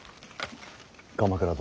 鎌倉殿。